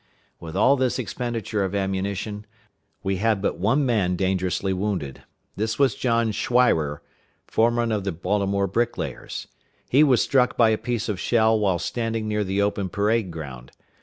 With all this expenditure of ammunition, we had but one man dangerously wounded. This was John Schweirer, foreman of the Baltimore brick layers. He was struck by a piece of shell while standing near the open parade ground.